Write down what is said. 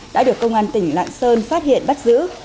đã được công an tỉnh lạng sơn phát hiện bắt giữ